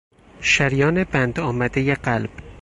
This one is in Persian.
شریان بند آمدهی قلب